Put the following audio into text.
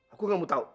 aku gak mau tau